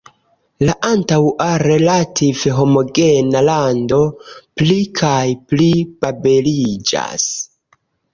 La antaŭa relative homogena lando pli kaj pli babeliĝas.